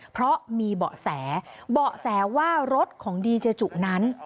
เพราะมีเบาะแสเบาะแสว่ารถของดีเจจุนั้น